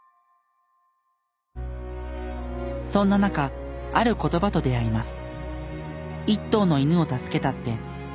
そんな中ある言葉と出会います。